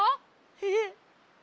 えっ？